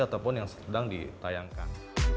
ataupun yang sedang ditayangkan